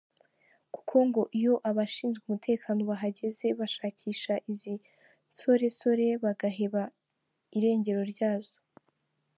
Kuko ngo niyo abashinzwe umutekano bahageze bashakisha izi nsoresore bagaheba irengero ryazo.